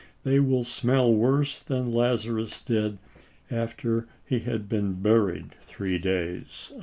They will smell worse than Lazarus did t<?hL£?oin, after he had been buried three days."